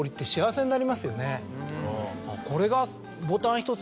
これが。